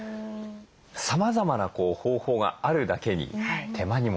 さまざまな方法があるだけに手間にもなりますよね。